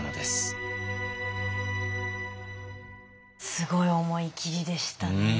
すごい思い切りでしたね。